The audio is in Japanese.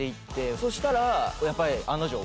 そしたらやっぱり。